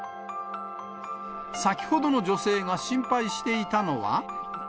先ほどの女性が心配していたのは。